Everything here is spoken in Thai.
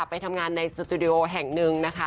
ไปทำงานในสตูดิโอแห่งหนึ่งนะคะ